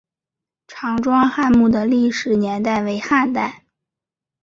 常庄汉墓的历史年代为汉代。